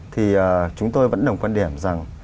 thì chúng tôi vẫn đồng quan điểm rằng